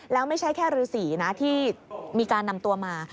แล้วไม่ใช่แค่ฤษีนะที่มีการนำตัวมา